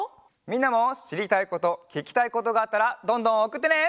みんなもしりたいことききたいことがあったらどんどんおくってね！